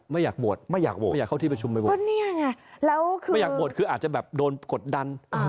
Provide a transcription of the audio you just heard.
ไม่อยากโบสถ์คืออาจจะแบบโดนกดดัน